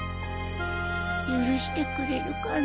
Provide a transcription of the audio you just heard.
許してくれるかな。